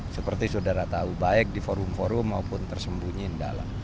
seperti saudara tahu baik di forum forum maupun tersembunyi di dalam